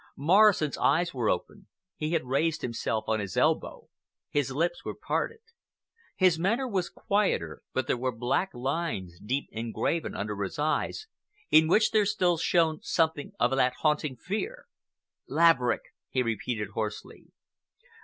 Morrison's eyes were open, he had raised himself on his elbow, his lips were parted. His manner was quieter, but there were black lines deep engraven under his eyes, in which there still shone something of that haunting fear. "Laverick!" he repeated hoarsely.